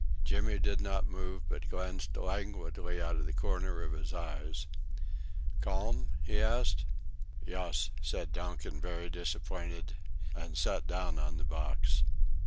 Jimmy did not move but glanced languidly out of the corners of his eyes. "Calm?" he asked. "Yuss," said Donkin, very disappointed, and sat down on the box.